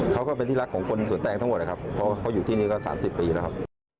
ก็เป็นที่รักของคนสวนแตงทั้งหมดนะครับเพราะเขาอยู่ที่นี่ก็๓๐ปีแล้วครับ